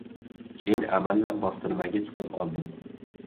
Keyin amallab bostirmaga chiqib oldim.